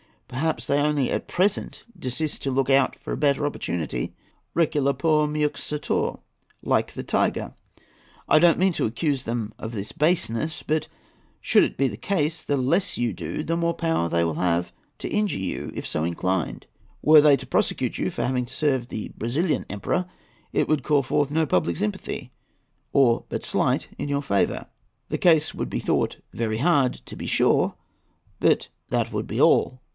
Perhaps they only at present desist to look out for a better opportunity, 'reculer pour mieux sauter,' like the tiger. I don't mean to accuse them of this baseness; but, should it be the case, the less you do the more power they will have to injure you, if so inclined. Were they to prosecute you for having served the Brazilian Emperor, it would call forth no public sympathy, or but slight, in your favour. The case would be thought very hard, to be sure; but that would be all.